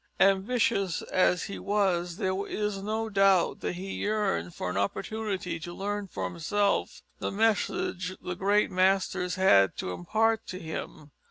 Ambitious as he was, there is no doubt that he yearned for an opportunity to learn for himself the message the great masters had to impart to him.